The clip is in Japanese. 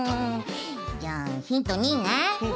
じゃあヒント２ね。